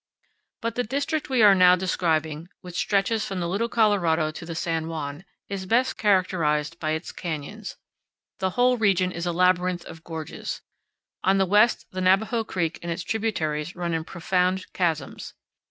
But the district we are now describing, which stretches from the Little Colorado to the San Juan, is best characterized by its canyons. The whole region is a labyrinth of gorges. On the west the Navajo Creek and its tributaries run in profound chasms.